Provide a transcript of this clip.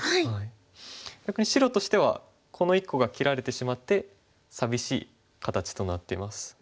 逆に白としてはこの１個が切られてしまって寂しい形となってます。